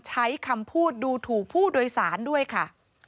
ใช้คำพูดดูถูกผู้โดยสารด้วยค่ะ